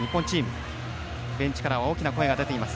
ベンチから大きな声が出ています。